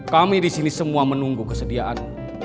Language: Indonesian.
kami disini semua menunggu kesediaan